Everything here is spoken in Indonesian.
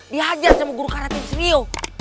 dihajar sama guru karate di srio